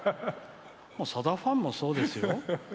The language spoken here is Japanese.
さだファンもそうですよ。